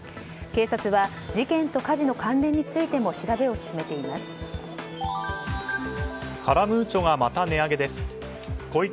警察は事件と火事の関連についても調べを進めています。